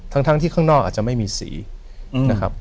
ทั้งที่ข้างนอกอาจจะไม่มีสีนะครับ